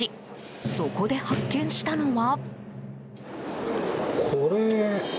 そこで発見したのは。